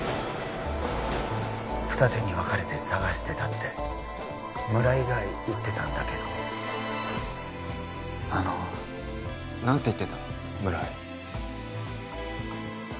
ふた手に分かれて捜してたって村井が言ってたんだけどあの何て言ってた村井？